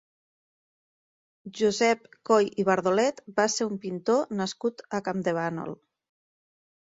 Josep Coll i Bardolet va ser un pintor nascut a Campdevànol.